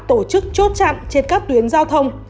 tổ chức chốt chặn trên các tuyến giao thông